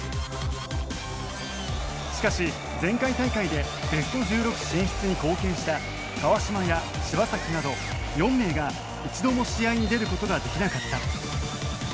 しかし前回大会でベスト１６進出に貢献した川島や柴崎など４名が一度も試合に出る事ができなかった。